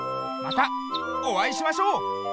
またおあいしましょう。